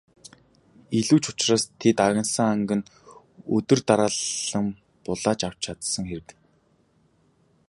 Илүү ч учраас тэд агнасан анг нь өдөр дараалан булааж авч чадсан хэрэг.